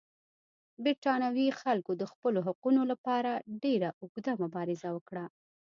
برېټانوي خلکو د خپلو حقونو لپاره ډېره اوږده مبارزه وکړه.